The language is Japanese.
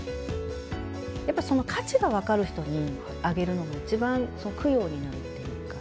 やっぱその価値が分かる人にあげるのが一番供養になるっていうか。